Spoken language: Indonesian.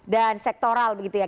dan sektoral begitu ya